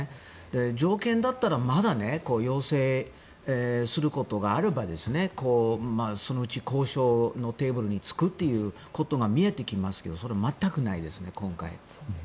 条件だったら、まだ要請することがあればそのうち交渉のテーブルに着くということが見えてきますけど全くないですね、今回。